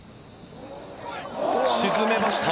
沈めました。